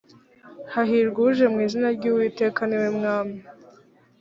hahirwa uje mu izina ry uwiteka ni we mwami